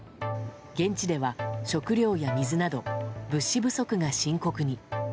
現地では、食料や水など物資不足が深刻に。